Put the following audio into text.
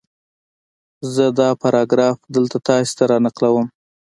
زه دا پاراګراف دلته تاسې ته را نقلوم